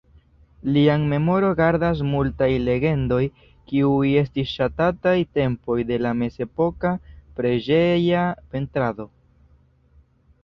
Lian memoron gardas multaj legendoj, kiuj estis ŝatataj tempoj de la mezepoka preĝeja pentrado.